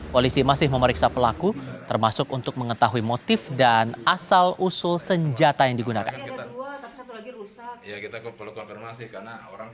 polisi masih memeriksa pelaku termasuk untuk mengetahui motif dan asal usul senjata yang digunakan